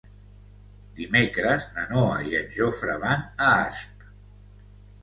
Dimecres na Noa i en Jofre van a Asp.